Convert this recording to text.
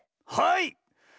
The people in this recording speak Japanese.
はい！